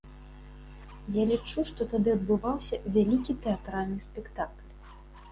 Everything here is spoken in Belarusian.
Я лічу, што тады адбываўся вялікі тэатральны спектакль.